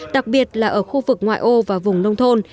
đặc biệt là ở khu vực ngoại ô và vùng nông thôn